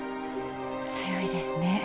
強いですね。